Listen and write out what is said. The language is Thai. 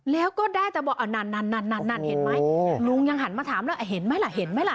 แล้วก็ได้แต่บอกนานเห็นไหมลุงยังหันมาถามแล้วเห็นไหมล่ะ